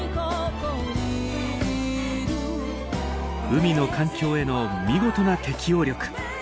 海の環境への見事な適応力。